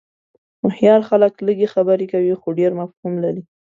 هوښیار خلک لږ خبرې کوي خو ډېر مفهوم لري.